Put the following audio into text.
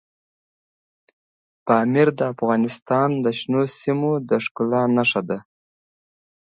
پامیر د افغانستان د شنو سیمو د ښکلا نښه ده.